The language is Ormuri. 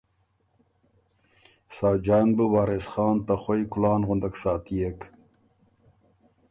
ساجان بُو وارث خان ته خوئ کلان غُندک ساتئېک۔